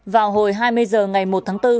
vào hồi hai mươi h ngày một tháng bốn